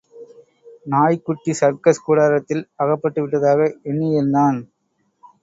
நாய்க்குட்டி சர்க்கஸ் கூடாரத்தில் அகப்பட்டுவிட்டதாக எண்ணியிருந்தான்..!